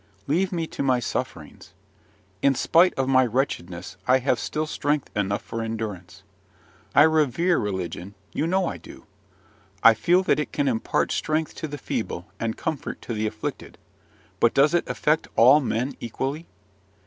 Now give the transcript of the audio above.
Leave me to my sufferings. In spite of my wretchedness, I have still strength enough for endurance. I revere religion you know I do. I feel that it can impart strength to the feeble and comfort to the afflicted, but does it affect all men equally?